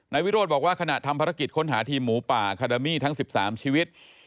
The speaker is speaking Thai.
วิโรธบอกว่าขณะทำภารกิจค้นหาทีมหมูป่าคาดามี่ทั้ง๑๓ชีวิต